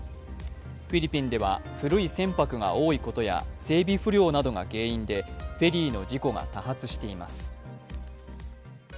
フィリピンでは、古い船舶が多いことや整備不良などが原因でフェリーの事故が多発しています。